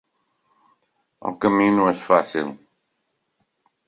El camí no és fàcil.